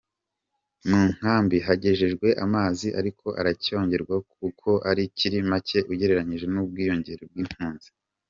Mu nkambi hagejejwe amazi ariko aracyongerwa kuko akiri make ugereranije n’ubwiyongere bw’impunzi.